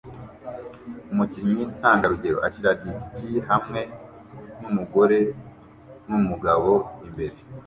Umukinnyi ntangarugero ashyira disiki hamwe numugore numugabo imbere